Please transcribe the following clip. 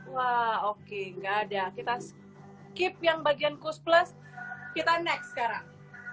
wah oke gak ada kita keep yang bagian kus plus kita next sekarang